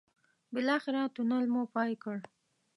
بالاخره تونل مو پای کړ.